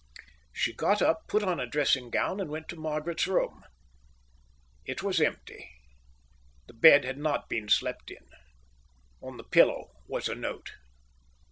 She got up, put on a dressing gown, and went to Margaret's room. It was empty. The bed had not been slept in. On the pillow was a note.